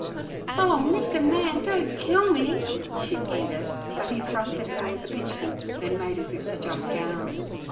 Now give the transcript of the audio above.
'Oh, mister man, don't kill me!' she pleaded. But he thrust at her with the pitchfork, then made as if to jump down.